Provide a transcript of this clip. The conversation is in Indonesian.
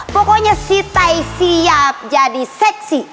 pokoknya si tai siap jadi seksi